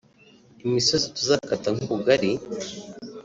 Imisozi tuzakata nk'ubugari